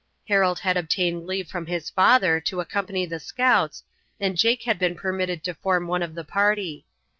Harold had obtained leave from his father to accompany the scouts, and Jake had been permitted to form one of the party.